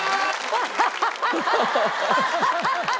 アハハハ。